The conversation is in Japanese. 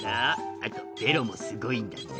あとべろもすごいんだぜ」